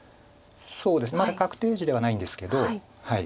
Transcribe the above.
そうですねまだ確定地ではないんですけど。